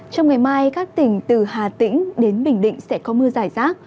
trong ngày mai các tỉnh từ hà tĩnh đến bình định sẽ có mưa giải rác